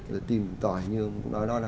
rồi tìm tòi như ông cũng nói là